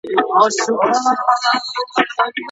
د وژل سوي کورنۍ ولې قاتل ته عفوه کوي؟